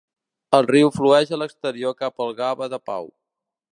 El riu flueix a l'exterior cap al Gave de Pau.